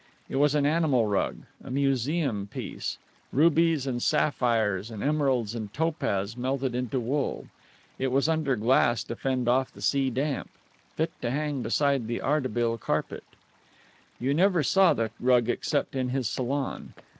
It was an animal rug, a museum piece; rubies and sapphires and emeralds and topaz melted into wool. It was under glass to fend off the sea damp. Fit to hang beside the Ardebil Carpet. You never saw the rug except in this salon.